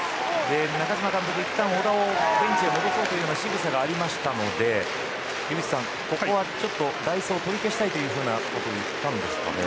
中嶋監督はいったん小田をベンチに戻そうというしぐさがありましたのでここは代走を取り消したいと言ったんですかね。